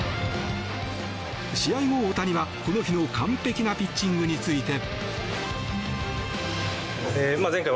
試合後、大谷はこの日の完璧なピッチングについて。